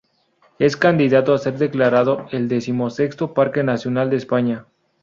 Es candidato a ser declarado el decimosexto parque nacional de España.